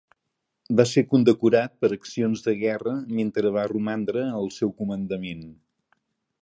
Va ser condecorat per accions de guerra mentre va romandre al seu comandament.